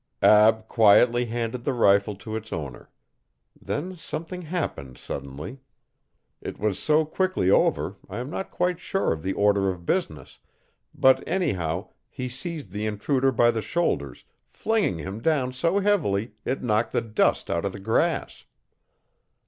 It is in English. Ab quietly handed the rifle to its owner. Then something happened suddenly. It was so quickly over I am not quite sure of the order of business, but anyhow he seized the intruder by the shoulders flinging him down so heavily it knocked the dust out of the grass.